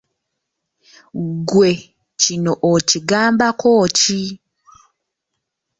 Ggwe kino okigambako ki?